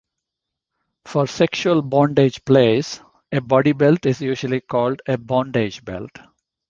For sexual bondage plays a body belt is usually called a bondage belt.